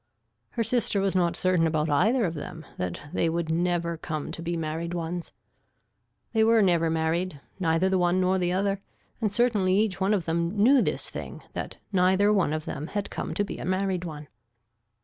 Her sister was not certain about either of them that they would never come to be married ones. They were never married neither the one nor the other and certainly each one of them knew this thing that neither one of them had come to be a married one.